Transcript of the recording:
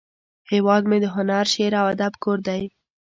هیواد مې د هنر، شعر، او ادب کور دی